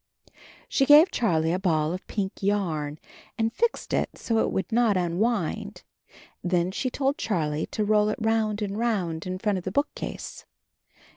She gave Charlie a ball of pink yarn and fixed it so that it would not unwind. Then she told Charlie to roll it round and round in front of the bookcase.